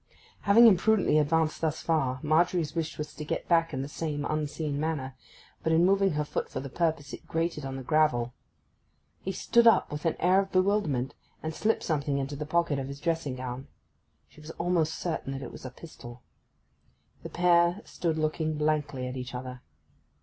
Having imprudently advanced thus far, Margery's wish was to get back again in the same unseen manner; but in moving her foot for the purpose it grated on the gravel. He started up with an air of bewilderment, and slipped something into the pocket of his dressing gown. She was almost certain that it was a pistol. The pair stood looking blankly at each other.